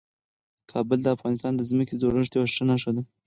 کابل د افغانستان د ځمکې د جوړښت یوه ښه نښه ده.